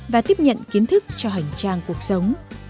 và tiếp nhận kiến thức cho hành trang cuộc sống